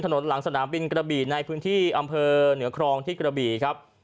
หลังสนามบินกระบี่ในพื้นที่อำเภอเหนือครองที่กระบี่ครับ